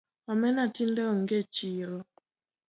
Omena tinde ong’e e chiro